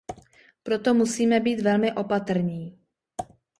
Proto musíme být velmi opatrní.